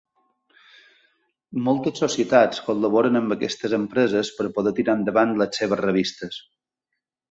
Moltes societats col·laboren amb aquestes empreses per poder tirar endavant les seves revistes.